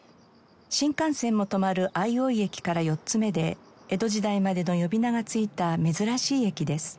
新幹線も止まる相生駅から４つ目で江戸時代までの呼び名がついた珍しい駅です。